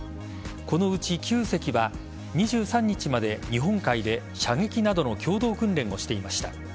このうち９隻は２３日まで日本海で射撃などの共同訓練をしていました。